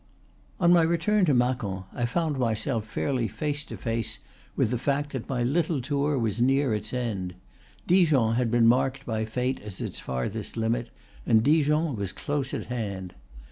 On my return to Macon I found myself fairly face to face with the fact that my little tour was near its end. Dijon had been marked by fate as its farthest limit, and Dijon was close at hand.